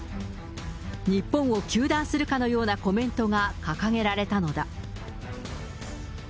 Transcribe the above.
日本を糾弾するかのようなコメントが掲げられたのだ。